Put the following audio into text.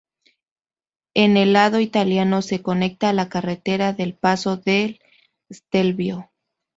En el lado italiano, se conecta a la carretera del Paso del Stelvio.